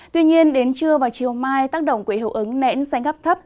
tuy nhiên đến trưa và chiều mai tác động của hiệu ứng nẽn xanh áp thấp